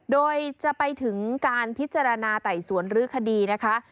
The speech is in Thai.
โดยจะไปถึงการพิจารณาไต่สวนรื้อคดีนะคะ